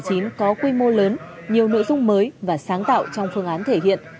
có quy mô lớn nhiều nội dung mới và sáng tạo trong phương án thể hiện